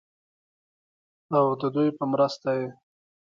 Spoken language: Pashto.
او ددوي پۀ مرسته ئې